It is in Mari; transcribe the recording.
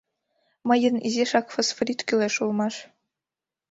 Мыйын изишак фосфорит кӱлеш улмаш.